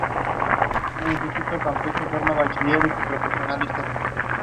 However, Sonny Keyes did continue to contribute when called upon by Zero and Diamond.